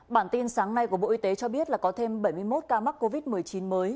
bản tin sáng nay của bộ y tế cho biết là có thêm bảy mươi một ca mắc covid một mươi chín mới